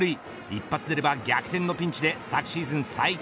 一発出れば逆転のピンチで昨シーズン最多